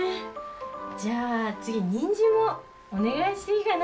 じゃあ次ニンジンもお願いしていいかな？